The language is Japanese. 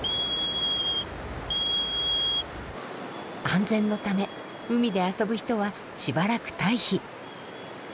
安全のため海で遊ぶ人はしばらく待避。